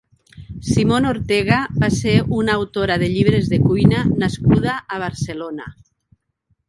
Simone Ortega va ser una autora de llibres de cuina nascuda a Barcelona.